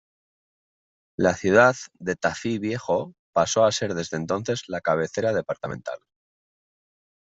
La ciudad de Tafí Viejo pasó a ser desde entonces la cabecera departamental.